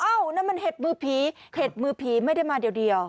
นั่นมันเห็ดมือผีเห็ดมือผีไม่ได้มาเดียว